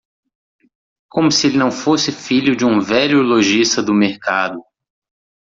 Como se ele não fosse filho de um velho lojista do mercado!